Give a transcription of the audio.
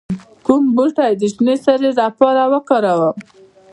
کوم بوټي د شینې سرې لپاره وکاروم؟